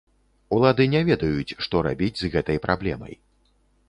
Улады не ведаюць, што рабіць з гэтай праблемай.